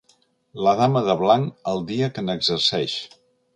La dama de blanc el dia que n'exerceix.